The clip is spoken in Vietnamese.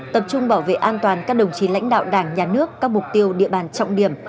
tập trung bảo vệ an toàn các đồng chí lãnh đạo đảng nhà nước các mục tiêu địa bàn trọng điểm